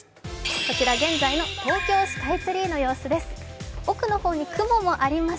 こちら現在の東京スカイツリーの様子です。